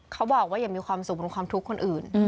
เขาบอกว่าอย่ามีความสุขบนความทุกข์คนอื่น